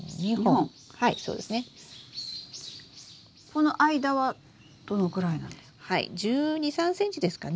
この間はどのぐらいなんですか？